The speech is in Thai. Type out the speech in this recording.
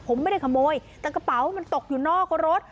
ผมไม่ได้ขโมยแต่กระเป๋ามันตกอยู่นอกรถ